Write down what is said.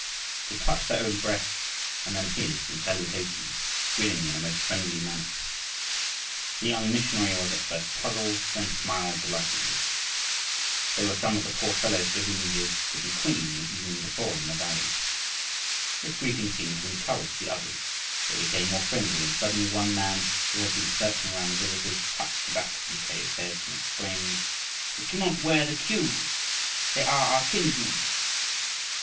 They touched their own breasts and then his, in salutation, grinning in a most friendly manner. The young missionary was at first puzzled, then smiled delightedly. They were some of the poor fellows to whom he had given quinine the evening before in the valley. This greeting seemed to encourage the others. They became more friendly and suddenly one man who had been circling round the visitors touched the back of Mackay's head and exclaimed, "They do not wear the cue! They are our kinsmen."